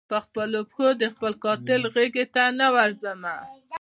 پر خپلو پښو د خپل قاتل غیږي ته نه ورځمه